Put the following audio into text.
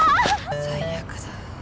最悪だ。